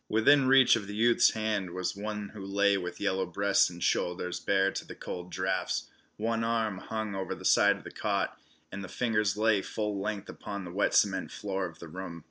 Within reach of the youth's hand was one who lay with yellow breast and shoulders bare to the cold drafts. One arm hung over the side of the cot, and the fingers lay full length upon the wet cement floor of the room.